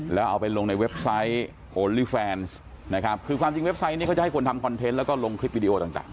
แล้วเอาไปลงในเว็บไซต์โอลี่แฟนนะครับคือความจริงเว็บไซต์นี้เขาจะให้คนทำคอนเทนต์แล้วก็ลงคลิปวิดีโอต่าง